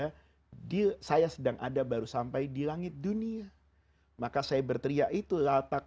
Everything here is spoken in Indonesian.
kamu sedang ada di saya sedang ada baru sampai di langit dunia maka saya berteriak itulah tak